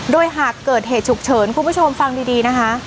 โดยหากเกิดเหตุฉุกเฉินคุณผู้ชมฟังดีนะคะ